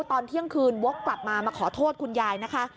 ตอนเที่ยงคืนวกกลับมามาขอโทษคุณยายนะคะ